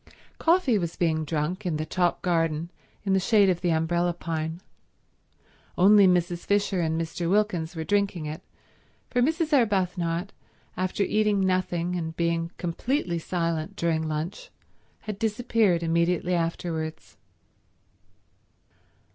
Coffee was being drunk in the top garden in the shade of the umbrella pine. Only Mrs. Fisher and Mr. Wilkins were drinking it, for Mrs. Arbuthnot, after eating nothing and being completely silent during lunch, had disappeared immediately afterwards.